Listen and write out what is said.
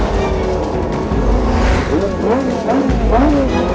kita harus jarak langsung